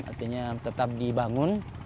artinya tetap dibangun